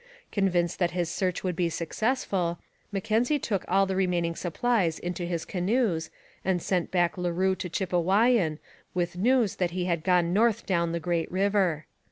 Convinced that his search would be successful, Mackenzie took all the remaining supplies into his canoes and sent back Leroux to Chipewyan with the news that he had gone north down the great river.